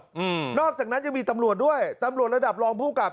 อืมนอกจากนั้นยังมีตำรวจด้วยตำรวจระดับรองผู้กับ